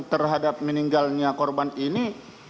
terhadap meninggalnya korban ini